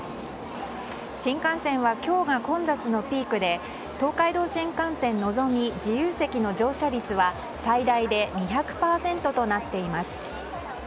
新幹線は今日が混雑のピークで東海道新幹線「のぞみ」自由席の乗車率は最大で２００％となっています。